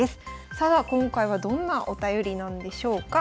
さあ今回はどんなお便りなんでしょうか。